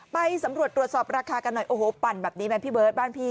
ไปสำรวจตรวจสอบราคากันหน่อยโอ้โหปั่นแบบนี้ไหมพี่เบิร์ตบ้านพี่